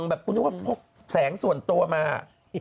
แบบคุณนึกว่าพกแสงส่วนตัวมา